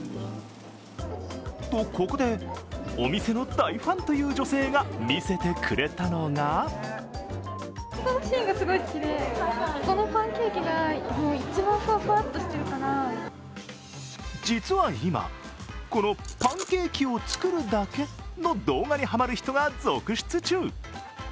と、ここでお店の大ファンという女性が見せてくれたのが実は今、このパンケーキを作るだけの動画にハマる人が続出中。